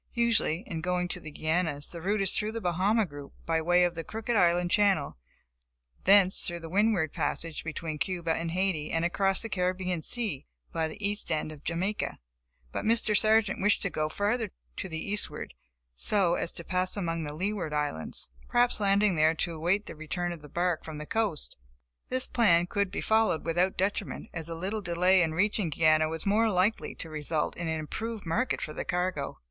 Usually, in going to the Guianas, the route is through the Bahama group, by way of the Crooked Island Channel, thence through the Windward Passage, between Cuba and Haiti and across the Caribbean sea by the east end of Jamaica. But Mr. Sargent wished to go further to the eastward so as to pass among the Leeward Islands, perhaps landing there to await the return of the bark from the coast. This plan could be followed without detriment, as a little delay in reaching Guiana was more than likely to result in an improved market for the cargo.